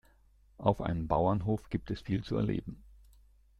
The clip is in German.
Auf einem Bauernhof gibt es viel zu erleben.